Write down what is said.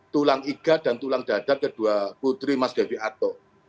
tulang iga dan tulang dada kedua putri mas devi ato